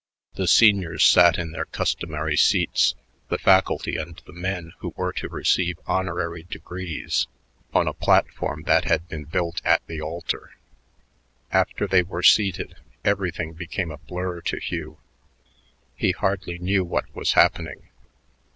The seniors sat in their customary seats, the faculty and the men who were to receive honorary degrees on a platform that had been built at the altar. After they were seated, everything became a blur to Hugh. He hardly knew what was happening.